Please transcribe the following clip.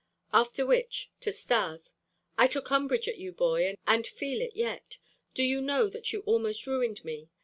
After which to Stas: "I took umbrage at you, boy, and feel it yet. Do you know that you almost ruined me?